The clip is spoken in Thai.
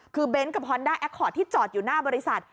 คือเบนท์กับฮอนด้าแอคคอร์ดที่จอดอยู่หน้าบริษัท